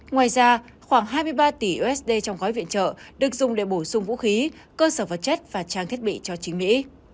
ngoài ra khoảng hai mươi ba tỷ usd trong gói viện trợ được dùng để bổ sung vũ khí cơ sở vật chất và trang thiết bị cho chính mỹ